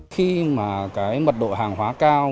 khi mà cái mật độ hàng hóa cao